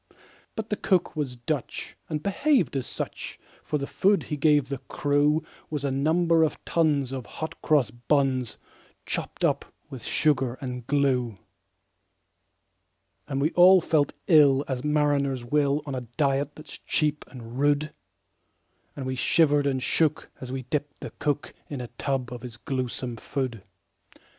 But the cook was Dutch, and behaved as such; For the food that he gave the crew Was a number of tons of hot cross buns, Chopped up with sugar and glue. And we all felt ill as mariners will, On a diet that's cheap and rude; And we shivered and shook as we dipped the cook In a tub of his gluesome food.